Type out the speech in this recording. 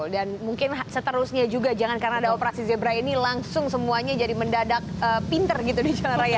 dan mungkin seterusnya juga jangan karena ada operasi zebra ini langsung semuanya jadi mendadak pinter gitu di jalan raya